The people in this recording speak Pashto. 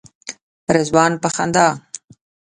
رضوان په خندا.